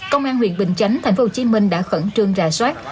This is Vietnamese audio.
công an huyện bình chánh tp hcm đã khẩn trương rà soát